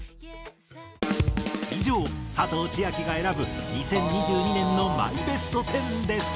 以上佐藤千亜妃が選ぶ２０２２年のマイベスト１０でした。